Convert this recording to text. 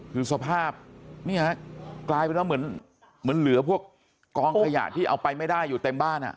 คือสภาพเนี่ยกลายเป็นว่าเหมือนเหลือพวกกองขยะที่เอาไปไม่ได้อยู่เต็มบ้าน